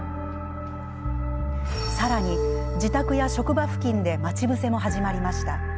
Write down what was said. さらに、自宅や職場付近で待ち伏せも始まりました。